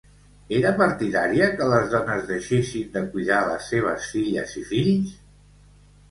Era partidària que les dones deixessin de cuidar les seves filles i fills?